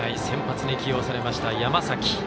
先発に起用された山崎。